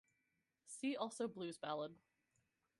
See also blues ballad.